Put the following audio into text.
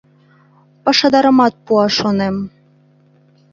Пашадарымат пуа, шонем.